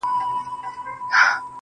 خوبيا هم ستا خبري پټي ساتي~